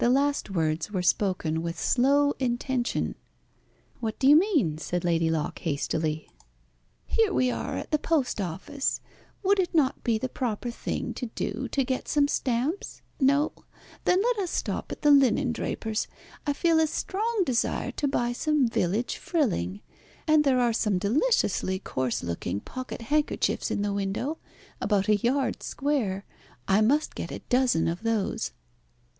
The last words were spoken with slow intention. "What do you mean?" said Lady Locke hastily. "Here we are at the post office. Would it not be the proper thing to do to get some stamps? No? Then let us stop at the linen draper's. I feel a strong desire to buy some village frilling. And there are some deliciously coarse looking pocket handkerchiefs in the window, about a yard square. I must get a dozen of those."